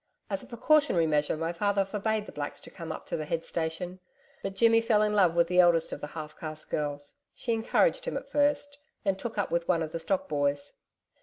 As a precautionary measure, my father forbade the blacks to come up to the head station. But Jimmy fell in love with the eldest of the half caste girls. She encouraged him at first, then took up with one of the stock boys....